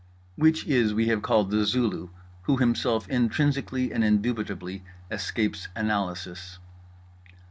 Which IS we have called The Zulu, who Himself intrinsically and indubitably escapes analysis.